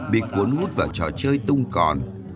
bị cuốn hút vào trò chơi tung còn